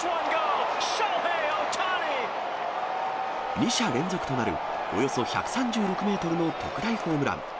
２者連続となるおよそ１３６メートルの特大ホームラン。